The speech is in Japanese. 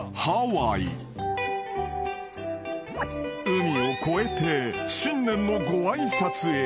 ［海を越えて新年のご挨拶へ］